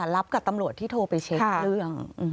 รับกับตำรวจที่โทรไปเช็คเรื่อง